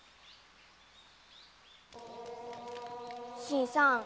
新さん。